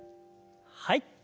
はい。